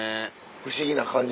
不思議な感じ。